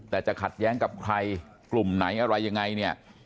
แต่จะขัดแย้งกับใครกลุ่มไหนอะไรยังไงเนี่ย